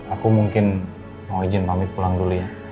aku mungkin mau izin pamit pulang dulu ya